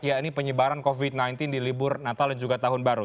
yakni penyebaran covid sembilan belas di libur natal dan juga tahun baru